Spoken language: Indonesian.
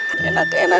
ini enak enak